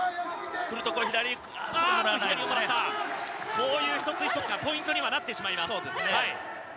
こういう一つ一つがポイントにはなってしまいます。